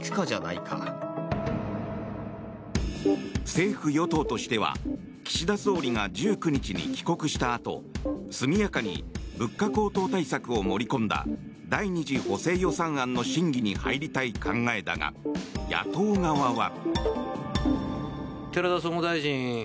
政府・与党としては岸田総理が１９日に帰国したあと速やかに物価高騰対策を盛り込んだ第２次補正予算案の審議に入りたい考えだが野党側は。